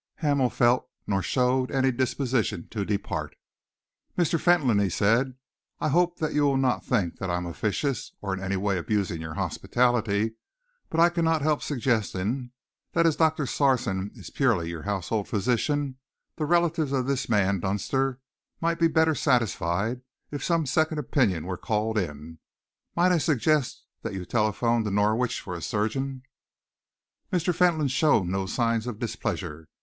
Hamel neither felt nor showed any disposition to depart. "Mr. Fentolin," he said, "I hope that you will not think that I am officious or in any way abusing your hospitality, but I cannot help suggesting that as Dr. Sarson is purely your household physician, the relatives of this man Dunster might be better satisfied if some second opinion were called in. Might I suggest that you telephone to Norwich for a surgeon?" Mr. Fentolin showed no signs of displeasure.